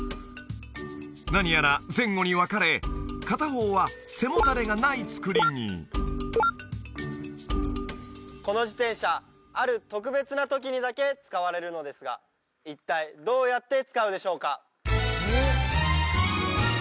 何やら前後に分かれ片方は背もたれがない作りにこの自転車ある特別な時にだけ使われるのですが一体どうやって使うでしょうか？